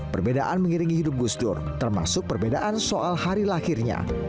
perbedaan mengiringi hidup gus dur termasuk perbedaan soal hari lahirnya